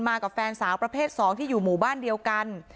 กับแฟนสาวประเภท๒ที่อยู่หมู่บ้านเดียวกัน